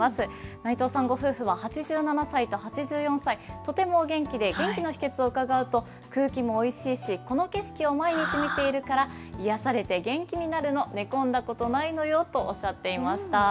内藤さんご夫婦は８７歳と８４歳、とてもお元気で、元気の秘けつを伺うと、空気もおいしいし、この景色を毎日見ているから癒やされて元気になるの、寝込んだことないのよとおっしゃっていました。